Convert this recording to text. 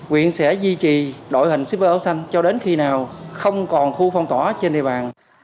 viện sẽ duy trì đội hình shipper áo xanh cho đến khi nào không còn khu phong tỏa trên địa bàn